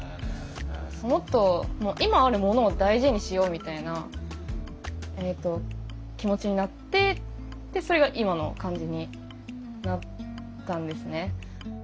もっと今あるものを大事にしようみたいな気持ちになってでそれが今の感じになったんですね。